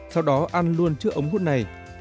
sau đó ăn luôn chữ ống hút này